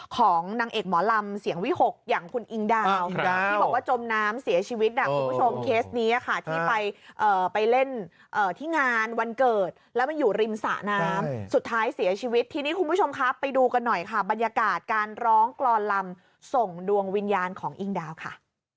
ของนางเอกหมอลำเสียงวิหกอย่างคุณอิงดาวที่บอกว่าจมน้ำเสียชีวิตคุณผู้ชมเคสนี้ค่ะที่ไปเล่นที่งานวันเกิดแล้วมันอยู่ริมสระน้ำสุดท้ายเสียชีวิตทีนี้คุณผู้ชมครับไปดูกันหน่อยค่ะบรรยากาศการร้องกรอนลำส่งดวงวิญญาณของอิงดาวค่ะ